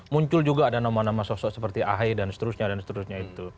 muncul juga ada nama nama sosok seperti ahai dan seterusnya